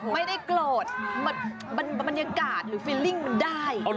ไม่ได้โกรธบรรยากาศหรือฟิลลิ่งมันได้